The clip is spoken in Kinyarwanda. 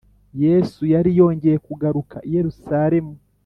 Yesu yari yongeye kugaruka i Yerusalemu